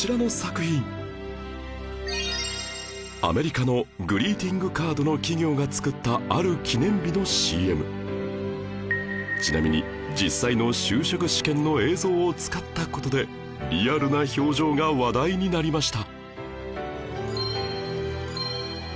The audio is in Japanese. アメリカのグリーティングカードの企業が作ったちなみに実際の就職試験の映像を使った事でリアルな表情が話題になりました